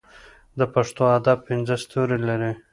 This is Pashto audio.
د پښتو ادب پنځه ستوري لري.